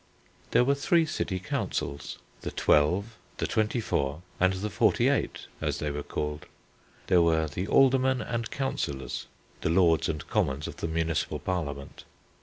There were three city councils, "the twelve," "the twenty four," and "the forty eight," as they were called. There were the Aldermen and Councillors the "lords" and "commons" of the municipal parliament.